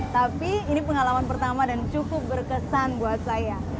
tapi ini pengalaman pertama dan cukup berkesan buat saya